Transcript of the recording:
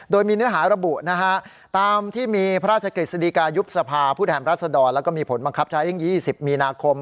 โดยมีเนื้อหาระบุนะฮะตามที่มีพระราชกฤษฎีกายุบสภาผู้แทนรัศดรแล้วก็มีผลบังคับใช้ยิ่ง๒๐มีนาคม